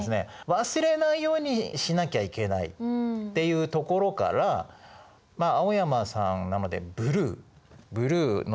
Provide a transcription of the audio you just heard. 忘れないようにしなきゃいけないっていうところからまあ青山さんなので「Ｂｌｕｅ」。